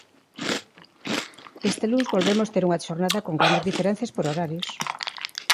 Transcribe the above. Este luns volvemos ter unha xornada con grandes diferenzas por horarios.